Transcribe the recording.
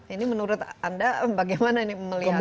ini menurut anda bagaimana ini melihatnya